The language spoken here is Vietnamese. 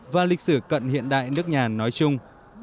và lịch sử cận hiện đại nước nhà nói chung